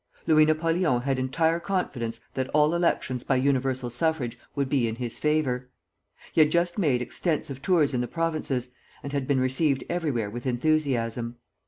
Louis Napoleon had entire confidence that all elections by universal suffrage would be in his favor. He had just made extensive tours in the provinces, and had been received everywhere with enthusiasm.